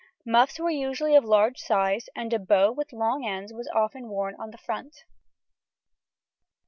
Muffs were usually of a large size, and a bow with long ends was often worn on the front.